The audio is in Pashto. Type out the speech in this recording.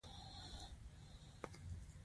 په ګلونو رنګین شین چمن و.